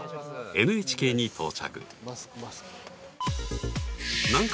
ＮＨＫに到着南海